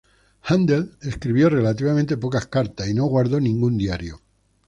Handel escribió relativamente pocas cartas y no guardó ningún diario.